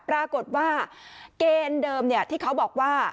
ปรากฏว่าเกณฑ์เดิมที่เขาบอกว่า